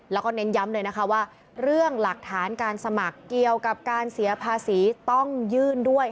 แล้วก็เน้นย้ำเลยนะคะว่าเรื่องหลักฐานการสมัครเกี่ยวกับการเสียภาษีต้องยื่นด้วย